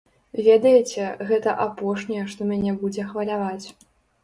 Ведаеце, гэта апошняе, што мяне будзе хваляваць.